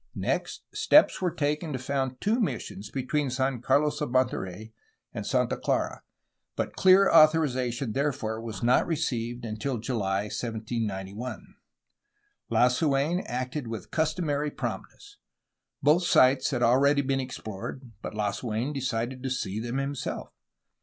Next, steps were taken to found two missions between San Carlos of Monterey and Santa Clara, but clear authorization therefor was not re ceived until July 1791. Lasu^n acted with customary promptness. Both sites had already been explored, but Lasu^n decided to see them himself.